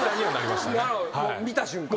見た瞬間に？